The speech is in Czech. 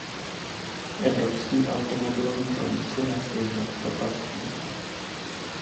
Evropský automobilový průmysl nestojí nad propastí.